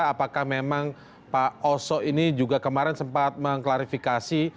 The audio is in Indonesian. apakah memang pak oso ini juga kemarin sempat mengklarifikasi